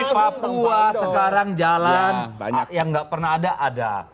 di papua sekarang jalan banyak yang nggak pernah ada ada